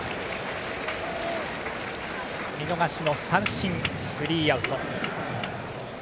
見逃し三振、スリーアウト。